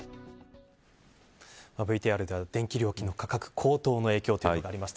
ＶＴＲでは電気料金の価格高騰の影響とありました。